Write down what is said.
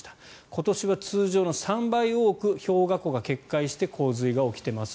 今年は通常の３倍多く氷河湖が決壊して洪水が起きています。